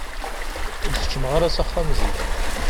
Ur d-keččmeɣ ara s axxam zik.